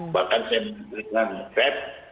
bahkan saya mengundurkan pep